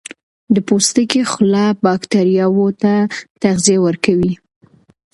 د پوستکي خوله باکتریاوو ته تغذیه ورکوي.